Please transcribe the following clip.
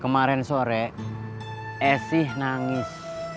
kemarin sore eh sih nangis